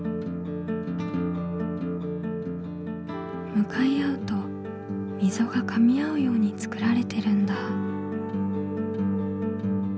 向かい合うとみぞがかみあうように作られてるんだ。